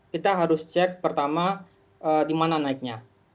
kita harus cek pertama di mana naiknya